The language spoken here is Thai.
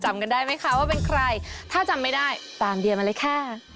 จำกันได้ไหมคะว่าเป็นใครถ้าจำไม่ได้ตามเดียมาเลยค่ะ